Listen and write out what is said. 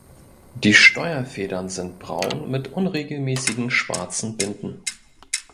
Die Steuerfedern sind braun mit unregelmäßigen schwarzen Binden.